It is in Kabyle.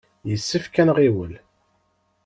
Yessefk ad nɣiwel.